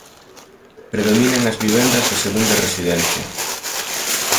Predominan as vivendas de segunda residencia.